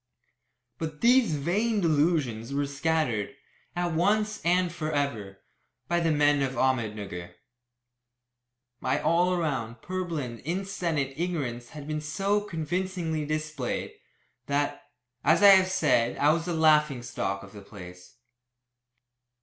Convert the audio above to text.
But these vain delusions were scattered, at once and for ever, by the men of Ahmednugger. My all round, purblind, insensate ignorance had been so convincingly displayed, that, as I have said, I was the laughing stock of all the place.